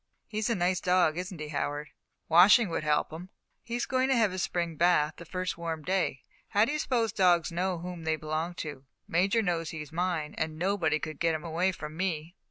He's a nice dog, isn't he, Howard?" "Washing would help him." "He's going to have his Spring bath the first warm day. How do you suppose dogs know whom they belong to? Major knows he's mine, and nobody could get him away from me."